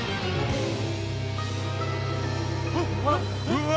うわ！